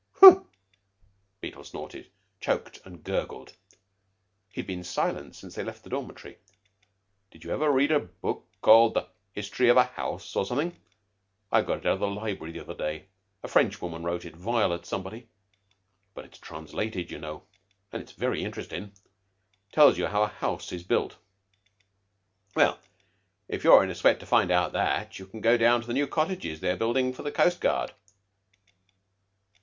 "Huh!" Beetle snorted, choked, and gurgled. He had been silent since they left the dormitory. "Did you ever read a book called 'The History of a House' or something? I got it out of the library the other day. A French woman wrote it Violet somebody. But it's translated, you know; and it's very interestin'. Tells you how a house is built." "Well, if you're in a sweat to find out that, you can go down to the new cottages they're building for the coastguard."